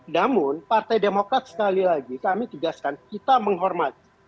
namun partai demokrat sekali lagi kami tegaskan kita menghormati